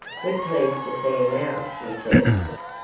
"We pleased to see him out," he said.